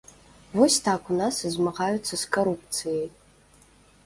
Вось так у нас змагаюцца з карупцыяй.